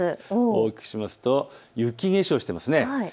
大きくすると雪化粧していますね。